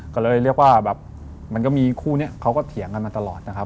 ก็เลยเรียกว่าแบบมันก็มีคู่นี้เขาก็เถียงกันมาตลอดนะครับ